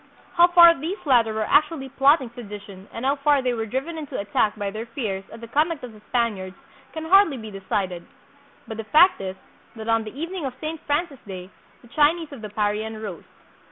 How far these latter were actually plotting sedition and how far they were driven into attack by their fears at the conduct of the Spaniards can hardly be de cided. But the fact is, that on the evening of Saint Francis day the Chinese of the Parian rose.